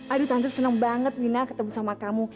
aduh tante seneng banget wina ketemu sama kamu